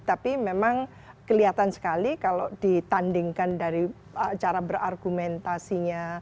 tapi memang kelihatan sekali kalau ditandingkan dari cara berargumentasinya